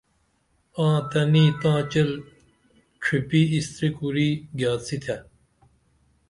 آں، تنی تاں چیل ڇُھپی اِستریکُری گیاڅی تھے